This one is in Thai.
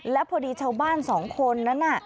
แล้วพอดีชาวบ้านสองคนนั้นน่ะ